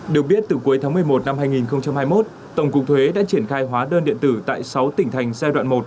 được biết từ cuối tháng một mươi một năm hai nghìn hai mươi một tổng cục thuế đã triển khai hóa đơn điện tử tại sáu tỉnh thành giai đoạn một